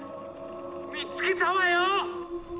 見つけたわよ！